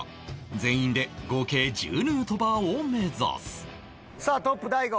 全員で合計１０ヌートバーを目指すさあトップ大悟。